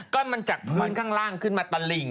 ก็มันจากพื้นข้างล่างขึ้นมาตะหลิ่ง